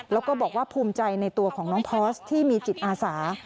แล้วก็บอกว่าภูมิใจในตัวของน้องพอร์สที่มีจิตอาสา